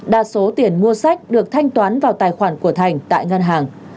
đa số tiền mua sách được thanh toán vào tài khoản của thành tại ngân hàng